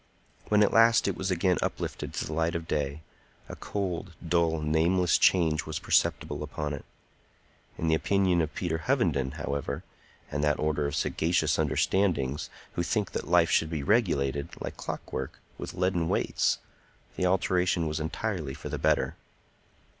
When at last it was again uplifted to the light of day, a cold, dull, nameless change was perceptible upon it. In the opinion of Peter Hovenden, however, and that order of sagacious understandings who think that life should be regulated, like clockwork, with leaden weights, the alteration was entirely for the better.